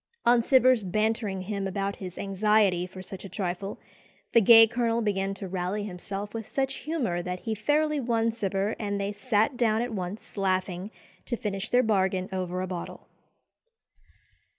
On Cibber's bantering him about his anxiety for such a trifle, the gay colonel began to rally himself with such humour that he fairly won Cibber, and they sat down at once, laughing, to finish their bargain over a bottle.